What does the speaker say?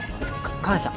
感謝